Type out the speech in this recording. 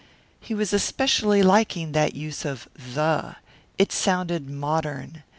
He was especially liking that use of "the." It sounded modern.